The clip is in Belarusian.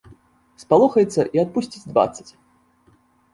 Спалохаецца і адпусціць дваццаць.